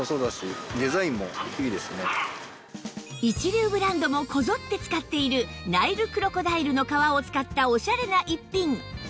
一流ブランドもこぞって使っているナイルクロコダイルの革を使ったオシャレな逸品